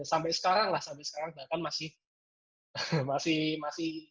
sampai sekarang lah sampai sekarang bahkan masih masih masih